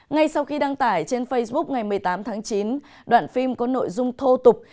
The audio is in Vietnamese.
ngay sau khi đăng tải trên facebook ngày một mươi tám tháng chín đoạn phim có nội dung thô tục